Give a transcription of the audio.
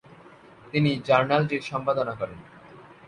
তিনি জার্নালটির সম্পাদনা করেন।